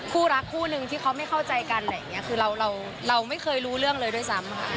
คู่รักคู่นึงที่เขาไม่เข้าใจกันอะไรอย่างนี้คือเราเราไม่เคยรู้เรื่องเลยด้วยซ้ำค่ะ